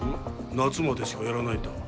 夏までしかやらないんだ